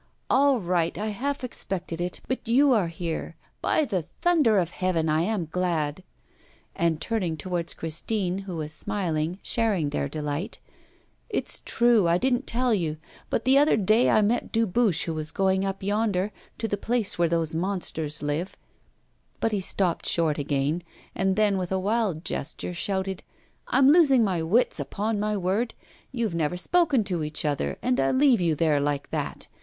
'All right, I half expected it; but you are here. By the thunder of heaven, I am glad!' And, turning towards Christine, who was smiling, sharing their delight: 'It's true, I didn't tell you. But the other day I met Dubuche, who was going up yonder, to the place where those monsters live ' But he stopped short again, and then with a wild gesture shouted: 'I'm losing my wits, upon my word. You have never spoken to each other, and I leave you there like that.